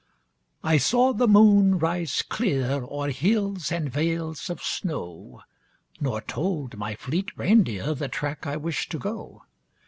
I saw the moon rise clear O'er hills and vales of snow Nor told my fleet reindeer The track I wished to go.